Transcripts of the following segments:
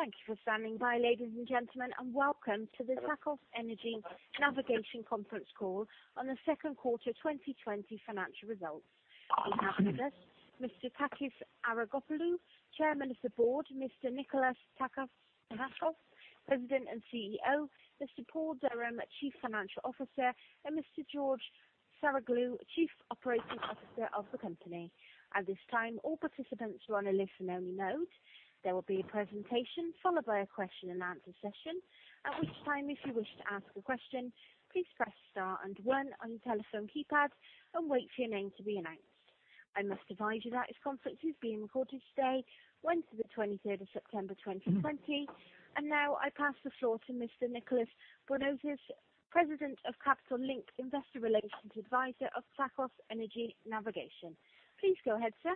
Thank you for standing by, ladies and gentlemen, and welcome to the Tsakos Energy Navigation conference call on the Q2 2020 financial results. We have with us Mr. Takis Arapoglou, Chairman of the Board, Mr. Nicolas Tsakos, President and CEO, Mr. Paul Durham, Chief Financial Officer, and Mr. George Saroglou, Chief Operating Officer of the company. At this time, all participants are on a listen-only mode. There will be a presentation followed by a question and answer session. At which time, if you wish to ask a question, please press star and one on your telephone keypad and wait for your name to be announced. I must advise you that this conference is being recorded today, Wednesday the 23rd of September 2020. Now I pass the floor to Mr. Nicolas Bornozis, President of Capital Link, Investor Relations Advisor of Tsakos Energy Navigation. Please go ahead, sir.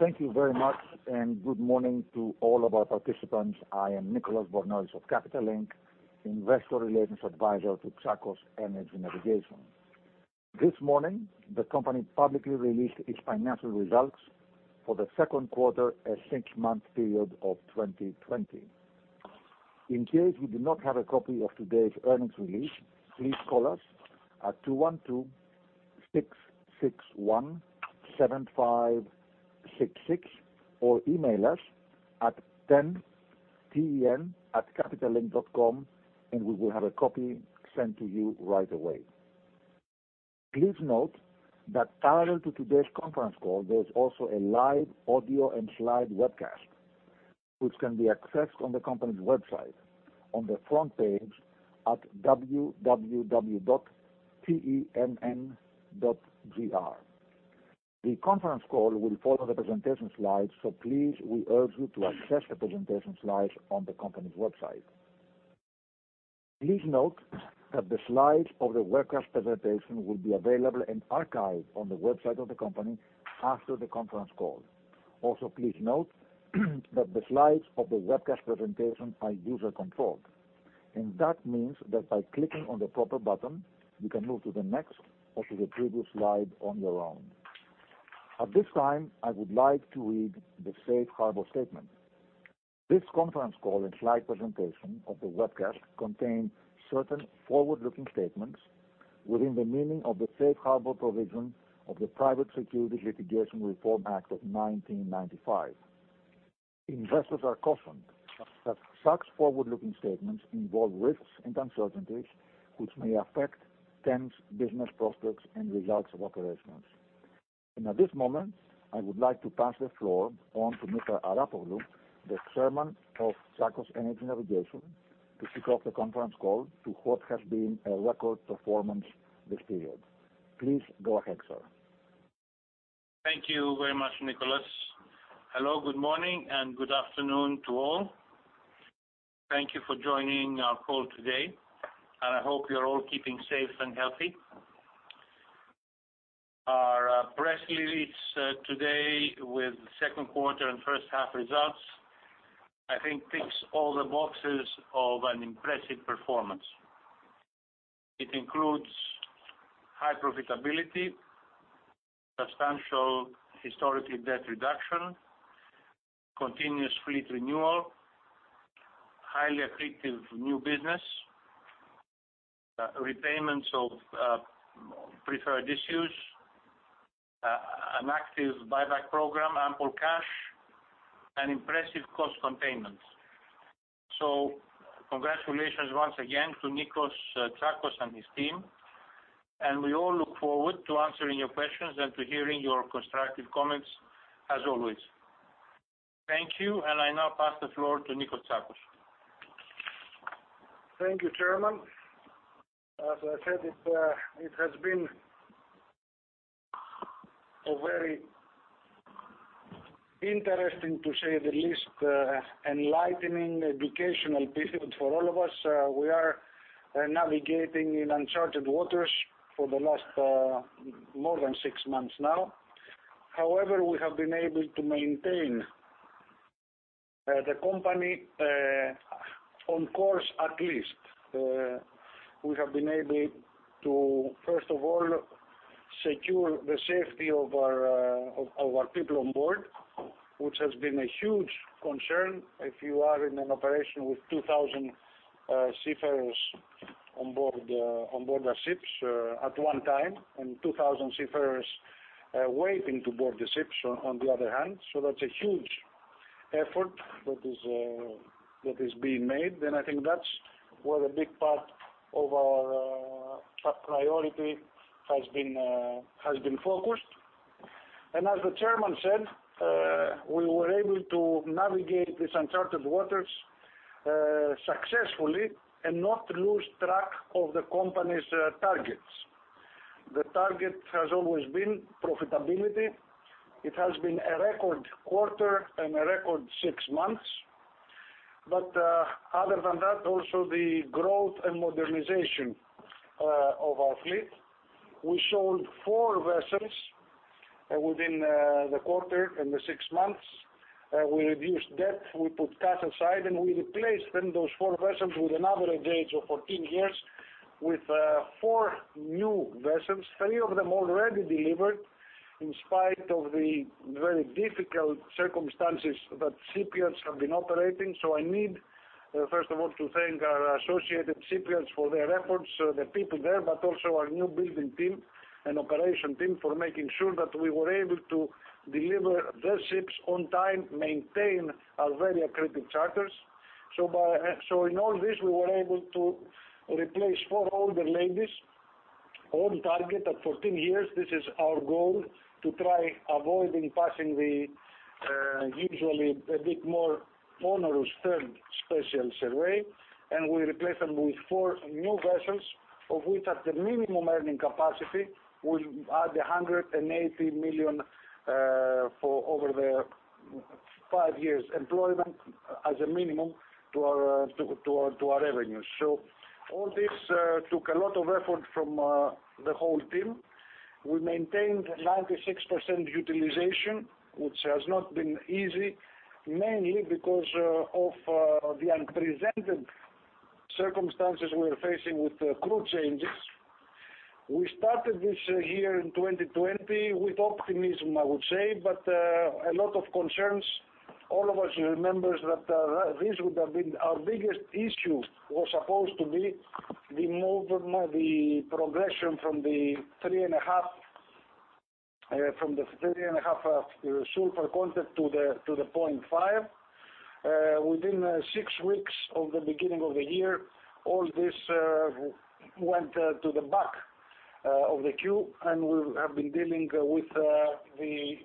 Thank you very much, and good morning to all of our participants. I am Nicolas Bornozis of Capital Link, Investor Relations Advisor to Tsakos Energy Navigation. This morning, the company publicly released its financial results for the Q2 and six-month period of 2020. In case you do not have a copy of today's earnings release, please call us at 212-661-7566 or email us at ten, T-E-N, @capitallink.com and we will have a copy sent to you right away. Please note that parallel to today's conference call, there's also a live audio and slide webcast, which can be accessed on the company's website on the front page at www.ten.gr. The conference call will follow the presentation slides, so please, we urge you to access the presentation slides on the company's website. Please note that the slides of the webcast presentation will be available and archived on the website of the company after the conference call. Also, please note that the slides of the webcast presentation are user controlled, and that means that by clicking on the proper button, you can move to the next or to the previous slide on your own. At this time, I would like to read the safe harbor statement. This conference call and slide presentation of the webcast contain certain forward-looking statements within the meaning of the safe harbor provision of the Private Securities Litigation Reform Act of 1995. Investors are cautioned that such forward-looking statements involve risks and uncertainties which may affect TEN's business prospects and results of operations. At this moment, I would like to pass the floor on to Mr. Arapoglou, the Chairman of Tsakos Energy Navigation, to kick off the conference call to what has been a record performance this period. Please go ahead, sir. Thank you very much, Nicolas. Hello, good morning, and good afternoon to all. Thank you for joining our call today, and I hope you're all keeping safe and healthy. Our press release today with the Q2 and first half results, I think ticks all the boxes of an impressive performance. It includes high profitability, substantial historical debt reduction, continuous fleet renewal, highly accretive new business, repayments of preferred issues, an active buyback program, ample cash, and impressive cost containment. Congratulations once again to Nikos Tsakos and his team, and we all look forward to answering your questions and to hearing your constructive comments as always. Thank you, and I now pass the floor to Nikos Tsakos. Thank you, Chairman. As I said, it has been a very interesting, to say the least, enlightening, educational period for all of us. We are navigating in uncharted waters for the last more than six months now. However, we have been able to maintain the company on course, at least. We have been able to, first of all, secure the safety of our people on board, which has been a huge concern if you are in an operation with 2,000 seafarers on board the ships at one time, and 2,000 seafarers waiting to board the ships on the other hand. That's a huge effort that is being made. I think that's where a big part of our top priority has been focused. As the chairman said, we were able to navigate these uncharted waters successfully and not lose track of the company's targets. The target has always been profitability. It has been a record quarter and a record six months. Other than that, also the growth and modernization of our fleet. We sold four vessels within the quarter, in the six months. We reduced debt, we put cash aside, and we replaced then those four vessels with an average age of 14 years with four new vessels, three of them already delivered, in spite of the very difficult circumstances that shipyards have been operating. I need, first of all, to thank our associated shipyards for their efforts, the people there, but also our new building team and operation team for making sure that we were able to deliver the ships on time, maintain our very accretive charters. In all this, we were able to replace four older ladies on target at 14 years. This is our goal to try avoiding passing the usually a bit more onerous third special survey, and we replace them with four new vessels, of which at the minimum earning capacity will add $180 million over their five years' employment as a minimum to our revenue. All this took a lot of effort from the whole team. We maintained 96% utilization, which has not been easy, mainly because of the unprecedented circumstances we're facing with crew changes. We started this year in 2020 with optimism, I would say, but a lot of concerns. All of us remembers that our biggest issue was supposed to be the progression from the three and a half sulfur content to the 0.5. Within six weeks of the beginning of the year, all this went to the back of the queue, and we have been dealing with the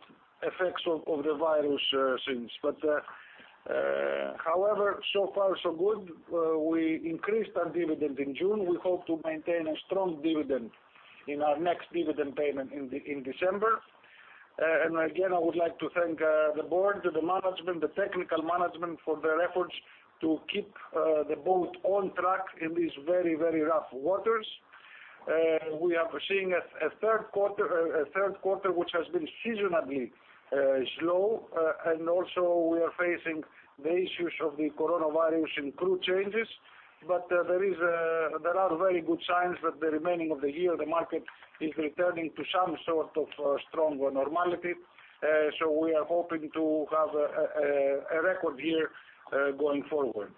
effects of the virus since. however, so far so good. We increased our dividend in June. We hope to maintain a strong dividend in our next dividend payment in December. again, I would like to thank the board, the management, the technical management for their efforts to keep the boat on track in these very, very rough waters. We are seeing a third quarter which has been seasonally slow, and also we are facing the issues of the coronavirus in crew changes. there are very good signs that the remaining of the year, the market is returning to some sort of stronger normality. we are hoping to have a record year going forward.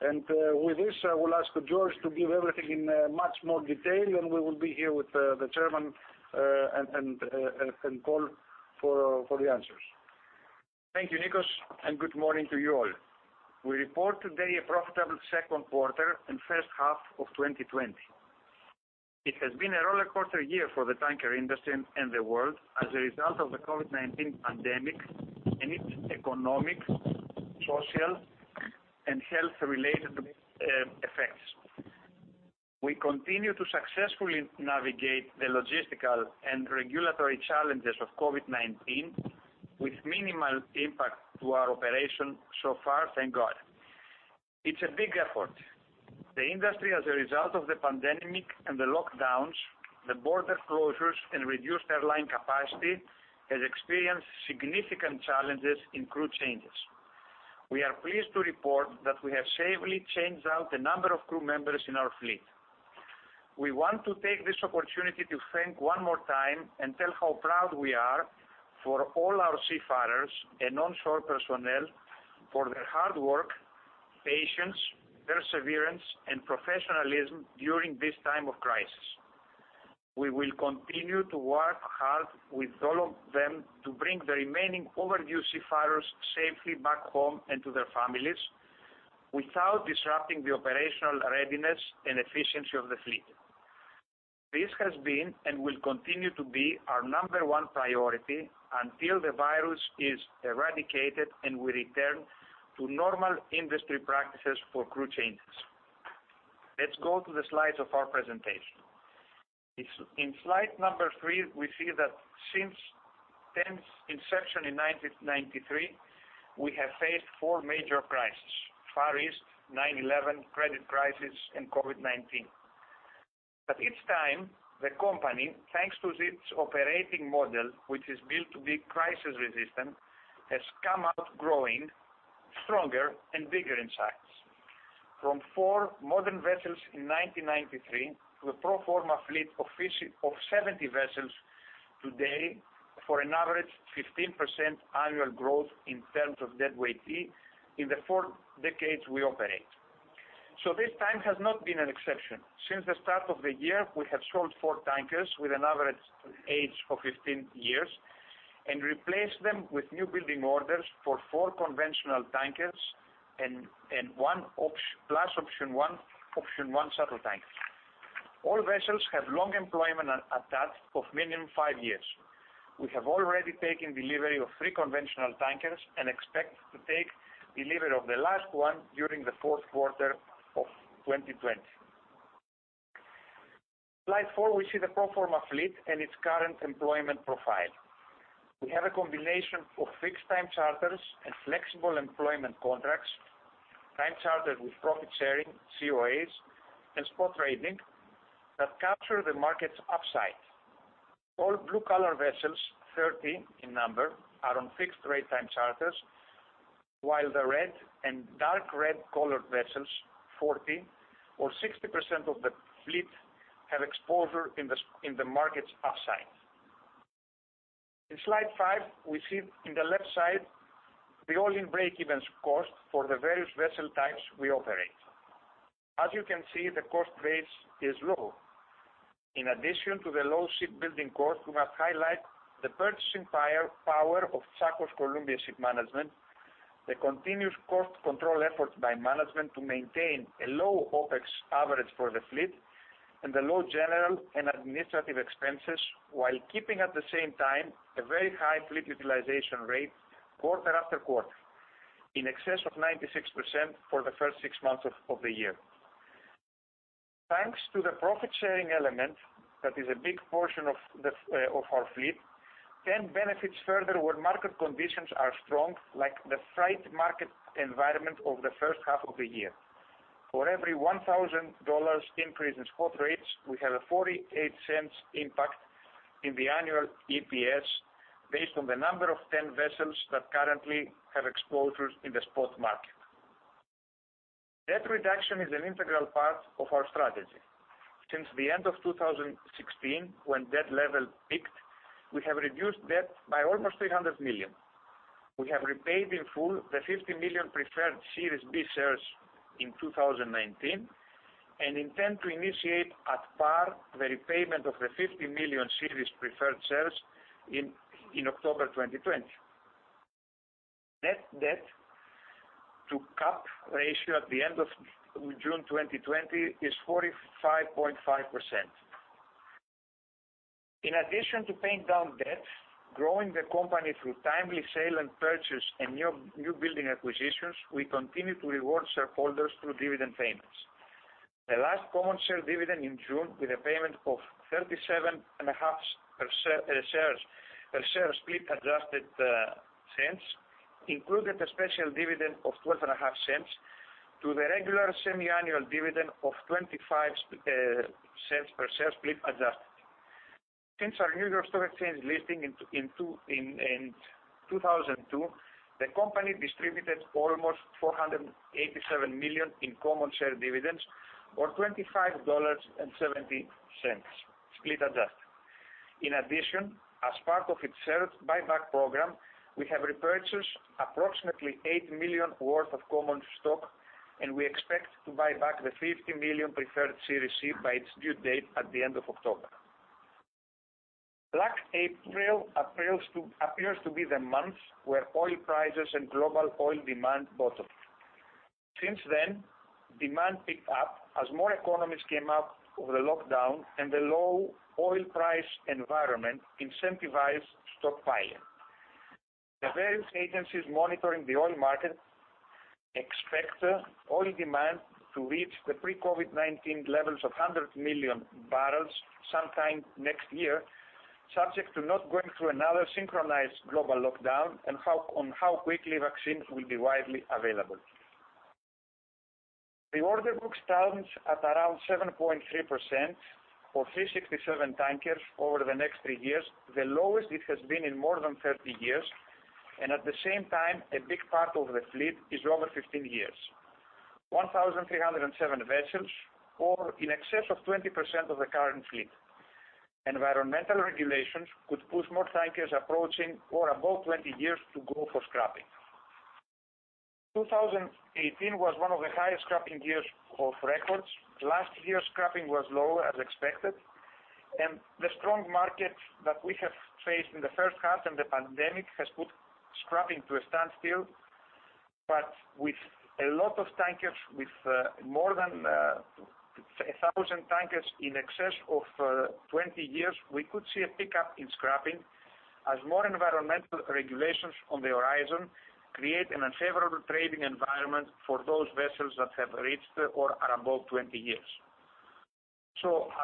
with this, I will ask George to give everything in much more detail, and we will be here with the chairman and call for the answers. Thank you, Nikos, and good morning to you all. We report today a profitable second quarter and first half of 2020. It has been a roller coaster year for the tanker industry and the world as a result of the COVID-19 pandemic and its economic, social, and health-related effects. We continue to successfully navigate the logistical and regulatory challenges of COVID-19 with minimal impact to our operation so far, thank God. It's a big effort. The industry, as a result of the pandemic and the lockdowns, the border closures, and reduced airline capacity, has experienced significant challenges in crew changes. We are pleased to report that we have safely changed out a number of crew members in our fleet. We want to take this opportunity to thank one more time and tell how proud we are for all our seafarers and onshore personnel for their hard work, patience, perseverance, and professionalism during this time of crisis. We will continue to work hard with all of them to bring the remaining overdue seafarers safely back home and to their families without disrupting the operational readiness and efficiency of the fleet. This has been and will continue to be our number one priority until the virus is eradicated and we return to normal industry practices for crew changes. Let's go to the slides of our presentation. In slide number three, we see that since TEN's inception in 1993, we have faced four major crises: Far East, 9/11, credit crisis, and COVID-19. Each time, the company, thanks to its operating model, which is built to be crisis resistant, has come out growing stronger and bigger in size. From four modern vessels in 1993 to a pro forma fleet of 70 vessels today, for an average 15% annual growth in terms of deadweight in the four decades we operate. This time has not been an exception. Since the start of the year, we have sold four tankers with an average age of 15 years and replaced them with new building orders for four conventional tankers and plus option one shuttle tanker. All vessels have long employment attached of minimum five years. We have already taken delivery of three conventional tankers and expect to take delivery of the last one during the Q4 of 2020. Slide four, we see the pro forma fleet and its current employment profile. We have a combination of fixed-time charters and flexible employment contracts, time charter with profit-sharing, COAs, and spot trading that capture the market's upside. All blue-collar vessels, 30 in number, are on fixed-rate time charters. While the red and dark red colored vessels, 40% or 60% of the fleet, have exposure in the market's upside. In slide five, we see in the left side the all-in breakeven cost for the various vessel types we operate. As you can see, the cost base is low. In addition to the low shipbuilding cost, we must highlight the purchasing power of Tsakos Columbia Shipmanagement, the continued cost control efforts by management to maintain a low OPEX average for the fleet, and the low general and administrative expenses while keeping at the same time a very high fleet utilization rate quarter after quarter, in excess of 96% for the first six months of the year. Thanks to the profit-sharing element that is a big portion of our fleet, TEN benefits further when market conditions are strong, like the freight market environment over the first half of the year. For every $1,000 increase in spot rates, we have a $0.48 impact in the annual EPS based on the number of TEN vessels that currently have exposure in the spot market. Debt reduction is an integral part of our strategy. Since the end of 2016, when debt level peaked, we have reduced debt by almost $300 million. We have repaid in full the $50 million preferred Series B shares in 2019 and intend to initiate at par the repayment of the $50 million series preferred shares in October 2020. Net debt to cap ratio at the end of June 2020 is 45.5%. In addition to paying down debt, growing the company through timely sale and purchase and new building acquisitions, we continue to reward shareholders through dividend payments. The last common share dividend in June, with a payment of $0.375 per share split adjusted, included a special dividend of $0.125 to the regular semi-annual dividend of $0.25 per share split adjusted. Since our New York Stock Exchange listing in 2002, the company distributed almost $487 million in common share dividends or $25.70 split adjusted. In addition, as part of its share buyback program, we have repurchased approximately $8 million worth of common stock, and we expect to buy back the $50 million preferred Series C by its due date at the end of October. Black April appears to be the month where oil prices and global oil demand bottomed. Since then, demand picked up as more economies came out of the lockdown and the low oil price environment incentivized stockpiling. The various agencies monitoring the oil market expect oil demand to reach the pre-COVID-19 levels of 100 million barrels sometime next year, subject to not going through another synchronized global lockdown and on how quickly vaccines will be widely available. The order book stands at around 7.3% or 367 tankers over the next three years, the lowest it has been in more than 30 years. At the same time, a big part of the fleet is over 15 years, 1,307 vessels, or in excess of 20% of the current fleet. Environmental regulations could push more tankers approaching or above 20 years to go for scrapping. 2018 was one of the highest scrapping years of records. Last year, scrapping was low as expected. The strong market that we have faced in the first half and the pandemic has put scrapping to a standstill. With a lot of tankers, with more than 1,000 tankers in excess of 20 years, we could see a pickup in scrapping as more environmental regulations on the horizon create an unfavorable trading environment for those vessels that have reached or are above 20 years.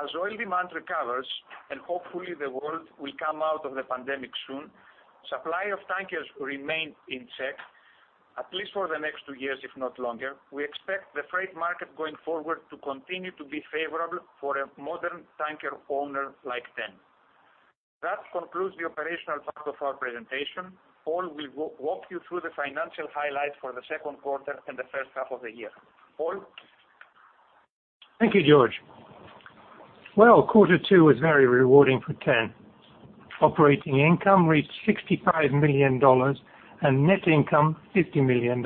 As oil demand recovers and hopefully the world will come out of the pandemic soon, supply of tankers remain in check, at least for the next two years, if not longer. We expect the freight market going forward to continue to be favorable for a modern tanker owner like TEN. That concludes the operational part of our presentation. Paul will walk you through the financial highlights for the Q2 and the first half of the year. Paul? Thank you, George. Well, quarter two was very rewarding for TEN. Operating income reached $65 million and net income $50 million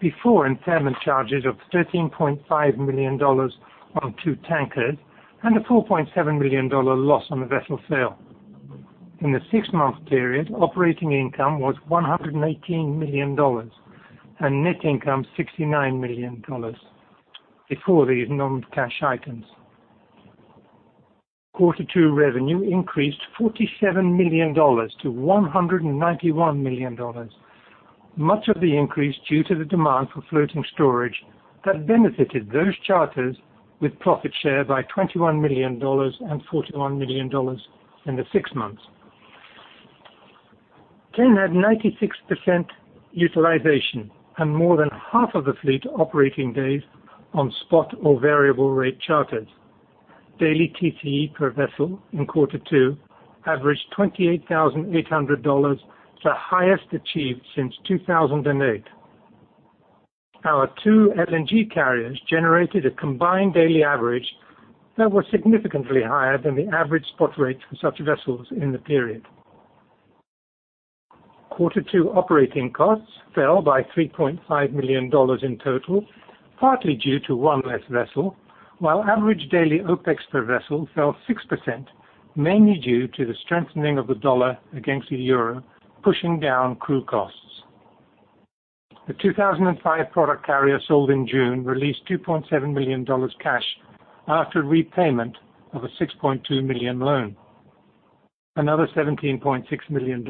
before impairment charges of $13.5 million on two tankers and a $4.7 million loss on the vessel sale. In the six-month period, operating income was $118 million and net income $69 million before these non-cash items. Q2 revenue increased $47 million to $191 million, much of the increase due to the demand for floating storage that benefited those charters with profit share by $21 million and $41 million in the six months. TEN had 96% utilization and more than half of the fleet operating days on spot or variable rate charters. Daily TCE per vessel in Q2 averaged $28,800, the highest achieved since 2008. Our two LNG carriers generated a combined daily average that was significantly higher than the average spot rates for such vessels in the period. Quarter two operating costs fell by $3.5 million in total, partly due to one less vessel, while average daily OPEX per vessel fell six percent, mainly due to the strengthening of the dollar against the euro pushing down crew costs. The 2005 product carrier sold in June released $2.7 million cash after repayment of a $6.2 million loan. Another $17.6 million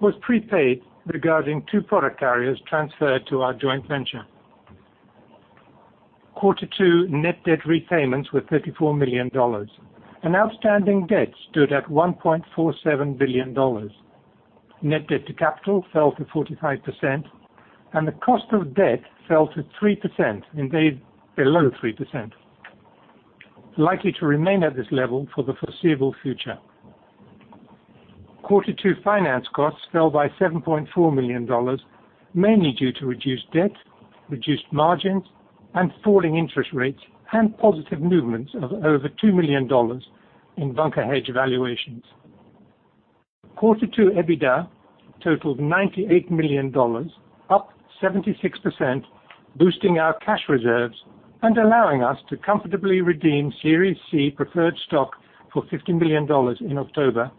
was prepaid regarding two product carriers transferred to our joint venture. Q2 net debt repayments were $34 million and outstanding debt stood at $1.47 billion. Net debt to capital fell to 45% and the cost of debt fell to three percent, indeed below three percent, likely to remain at this level for the foreseeable future. Q2 finance costs fell by $7.4 million, mainly due to reduced debt, reduced margins, and falling interest rates, and positive movements of over $2 million in bunker hedge valuations. Q2 EBITDA totaled $98 million, up 76%, boosting our cash reserves and allowing us to comfortably redeem Series C preferred stock for $50 million in October,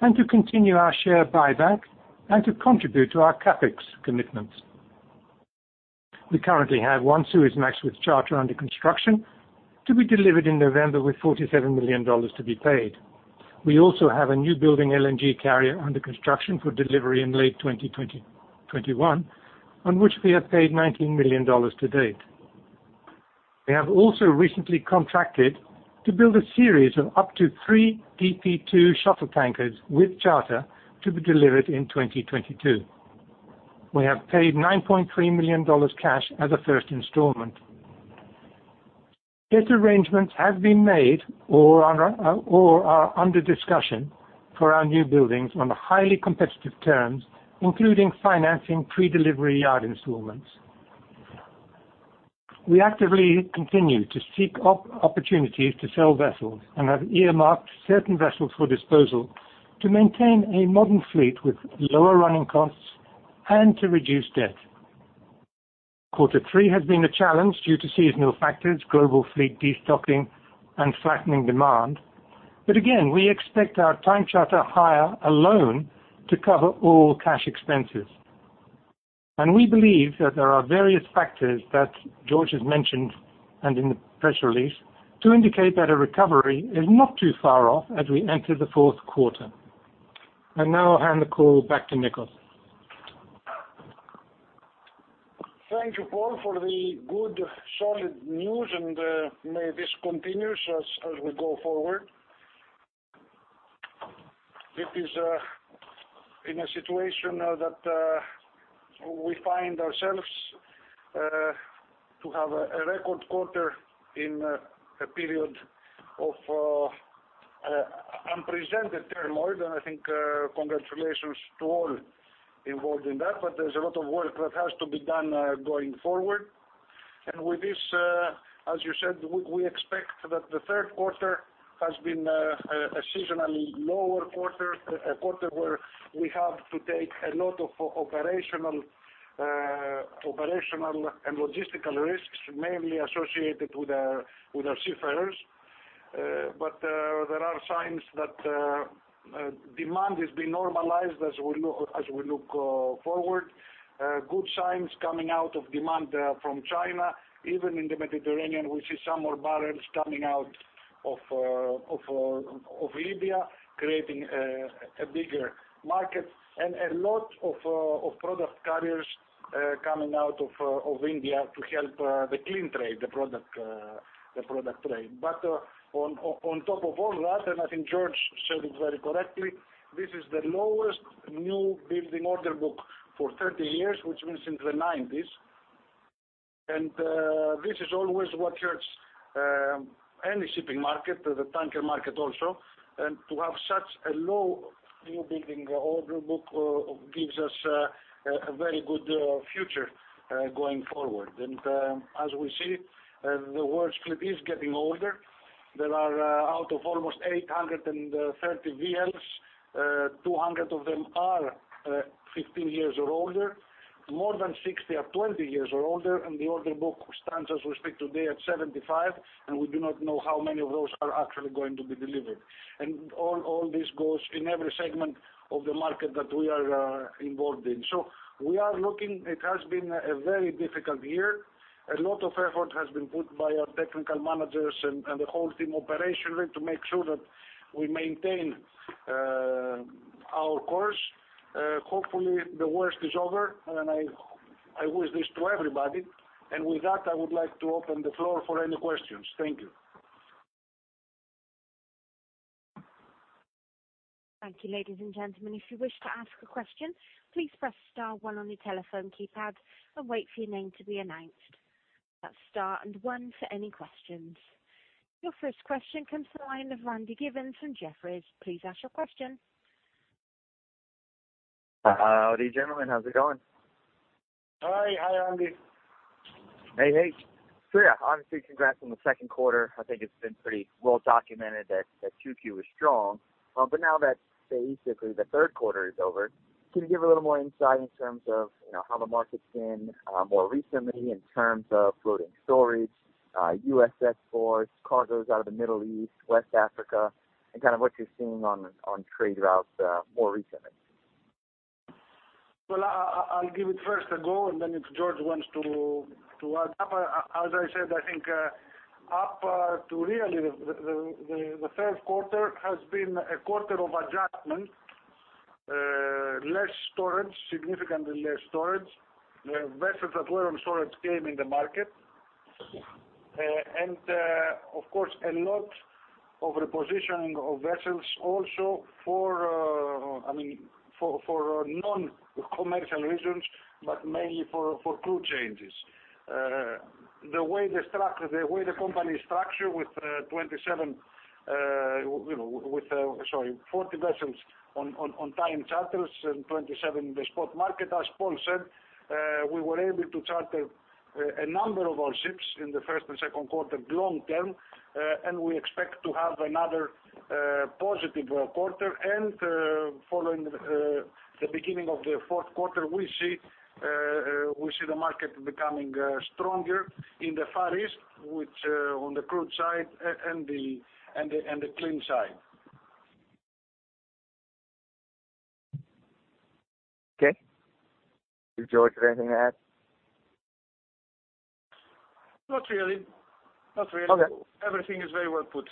and to continue our share buyback and to contribute to our CapEx commitments. We currently have one Suezmax with charter under construction to be delivered in November with $47 million to be paid. We also have a new building LNG carrier under construction for delivery in late 2021, on which we have paid $19 million to date. We have also recently contracted to build a series of up to three DP2 shuttle tankers with charter to be delivered in 2022. We have paid $9.3 million cash as a first installment. Debt arrangements have been made or are under discussion for our new buildings on highly competitive terms, including financing pre-delivery yard installments. We actively continue to seek opportunities to sell vessels and have earmarked certain vessels for disposal to maintain a modern fleet with lower running costs and to reduce debt. Quarter three has been a challenge due to seasonal factors, global fleet destocking, and flattening demand. Again, we expect our time charter hire alone to cover all cash expenses. We believe that there are various factors that George has mentioned and in the press release to indicate that a recovery is not too far off as we enter the Q4. I now hand the call back to Nikos. Thank you, Paul, for the good, solid news, and may this continue as we go forward. It is in a situation that we find ourselves to have a record quarter in a period of unprecedented turmoil, and I think congratulations to all involved in that. There's a lot of work that has to be done going forward. With this, as you said, we expect that the Q2 has been a seasonally lower quarter, a quarter where we have to take a lot of operational and logistical risks, mainly associated with our seafarers. There are signs that demand has been normalized as we look forward. Good signs coming out of demand from China. Even in the Mediterranean, we see some more barrels coming out of Libya, creating a bigger market. A lot of product carriers coming out of India to help the clean trade, the product trade. On top of all that, and I think George said it very correctly, this is the lowest new building order book for 30 years, which means since the '90s. This is always what hurts any shipping market, the tanker market also. To have such a low new building order book gives us a very good future going forward. As we see, the world fleet is getting older. There are out of almost 830 VLs, 200 of them are 15 years or older. More than 60 are 20 years or older, and the order book stands as we speak today at 75, and we do not know how many of those are actually going to be delivered. all this goes in every segment of the market that we are involved in. We are looking. It has been a very difficult year. A lot of effort has been put by our technical managers and the whole team operationally to make sure that we maintain our course. Hopefully, the worst is over, and I wish this to everybody. With that, I would like to open the floor for any questions. Thank you. Thank you, ladies and gentlemen. If you wish to ask a question, please press star one on your telephone keypad and wait for your name to be announced. That's star and one for any questions. Your first question comes to the line of Randy Giveans from Jefferies. Please ask your question. Howdy, gentlemen. How's it going? Hi, Randy. Hey. yeah, obviously congrats on the Q2. I think it's been pretty well documented that 2Q was strong. now that basically the Q3 is over, can you give a little more insight in terms of how the market's been more recently in terms of floating storage, U.S. exports, cargoes out of the Middle East, West Africa, and kind of what you're seeing on trade routes more recently? Well, I'll give it first a go, and then if George wants to add. As I said, I think up to really the Q3 has been a quarter of adjustment. Less storage, significantly less storage. The vessels that were on storage came in the market. Of course, a lot of repositioning of vessels also for non-commercial reasons, but mainly for crew changes. The way the company is structured with 40 vessels on time charters and 27 in the spot market, as Paul said, we were able to charter a number of our ships in the first and Q2 long-term, and we expect to have another positive quarter. Following the beginning of the Q4, we see the market becoming stronger in the Far East, on the crude side and the clean side. Okay. Did George have anything to add? Not really. Okay. Everything is very well put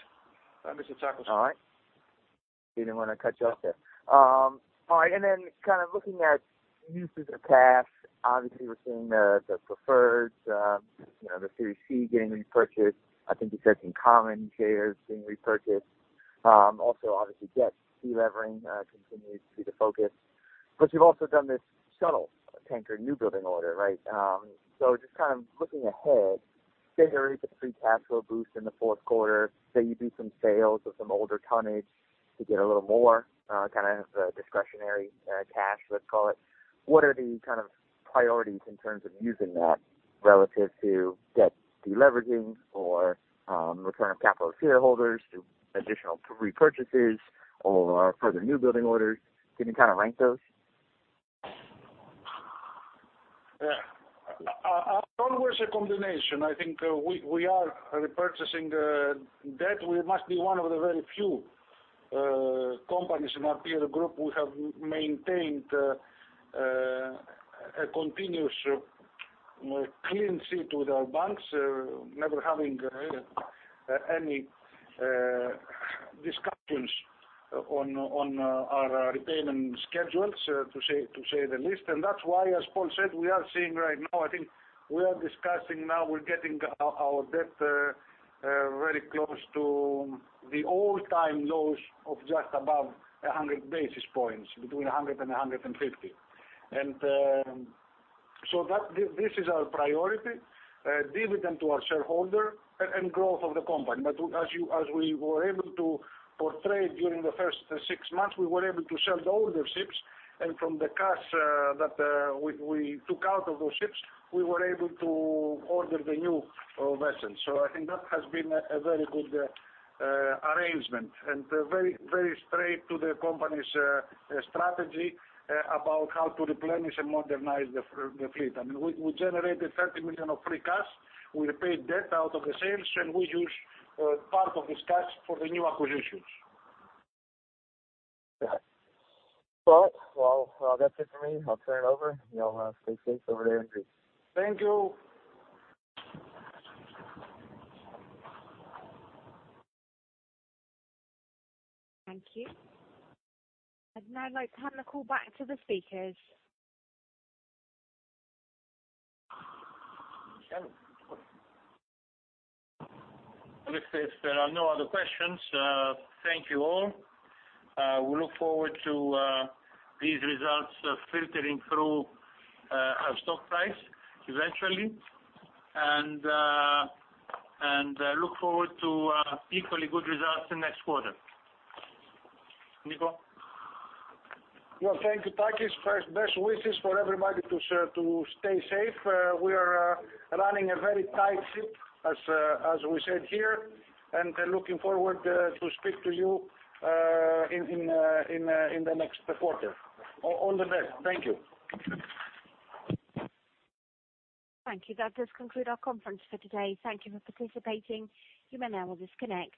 by Mr. Tsakos. All right. Didn't want to cut you off there. All right, kind of looking at use of the past, obviously, we're seeing the preferred, the Series C getting repurchased. I think you said some common shares being repurchased. Also obviously, debt de-levering continues to be the focus. you've also done this shuttle tanker new building order, right? just kind of looking ahead, say there is a free cash flow boost in the Q4, say you do some sales of some older tonnage to get a little more kind of discretionary cash, let's call it. What are the kind of priorities in terms of using that relative to debt de-leveraging or return of capital to shareholders, do additional repurchases or further new building orders? Can you kind of rank those? Yeah. Always a combination. I think we are repurchasing debt. We must be one of the very few companies in our peer group who have maintained a continuous clean sheet with our banks, never having any discussions on our repayment schedules, to say the least. That's why, as Paul said, we are seeing right now, I think we are discussing now we're getting our debt very close to the all-time lows of just above 100 basis points, between 100 and 150. This is our priority, dividend to our shareholder and growth of the company. As we were able to portray during the first six months, we were able to sell the older ships, and from the cash that we took out of those ships, we were able to order the new vessels. I think that has been a very good arrangement and very straight to the company's strategy about how to replenish and modernize the fleet. I mean, we generated $30 million of free cash. We repaid debt out of the sales, and we used part of this cash for the new acquisitions. Got it. Well, that's it for me. I'll turn it over. You all have a safe day over there. Thank you. Thank you. I'd now like to hand the call back to the speakers. If there are no other questions, thank you all. We look forward to these results filtering through our stock price eventually and look forward to equally good results in next quarter. Niko? Well, thank you, Takis. First, best wishes for everybody to stay safe. We are running a very tight ship as we said here, and looking forward to speak to you in the next quarter. All the best. Thank you. Thank you. That does conclude our conference for today. Thank you for participating. You may now disconnect.